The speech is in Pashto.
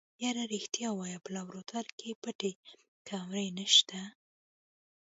يره رښتيا ووايه په لابراتوار کې پټې کمرې نشته.